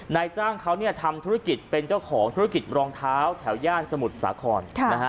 นายจ้างเขาทำธุรกิจเป็นเจ้าของธุรกิจรองเท้าแถวย่านสมุทรสาคร